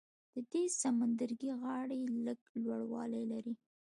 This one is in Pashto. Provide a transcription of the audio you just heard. د دې سمندرګي غاړې لږ لوړوالی لري.